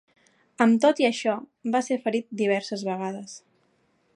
Amb tot i això, va ser ferit diverses vegades.